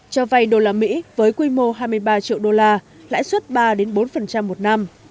cho vay đô la mỹ với quy mô hai mươi ba triệu đô la lãi suất ba bốn một năm